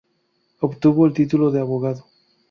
Obtuvo el título de abogado.